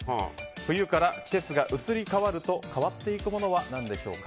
冬から季節が移り替わると変わっていくものは何でしょうか。